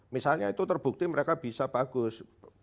misalnya itu terbukti mereka bisa bagus